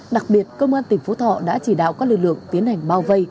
đặc biệt công an tỉnh phú thọ đã chỉ đạo các lực lượng tiến hành bao vây